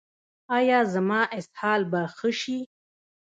ایا زما اسهال به ښه شي؟